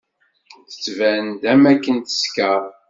Tettban-d am akken teskeṛ.